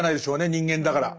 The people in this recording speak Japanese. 人間だから。